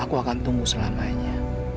aku akan tunggu selamanya